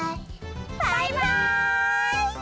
バイバイ！